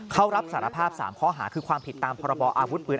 เขารับสารภาพ๓ข้อหาคือความผิดตามพรบออาวุธปืน